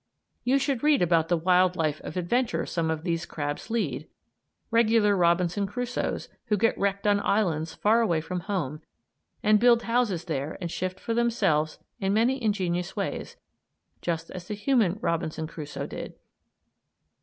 You should read about the wild life of adventure some of these crabs lead regular Robinson Crusoes who get wrecked on islands far away from home and build houses there and shift for themselves in many ingenious ways, just as the human Robinson Crusoe did.